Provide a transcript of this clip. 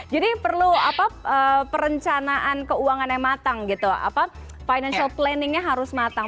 jadi perlu apa perencanaan keuangan yang matang gitu apa financial planningnya harus matang